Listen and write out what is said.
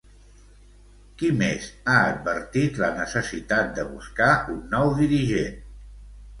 Qui més ha advertit la necessitat de buscar un nou dirigent?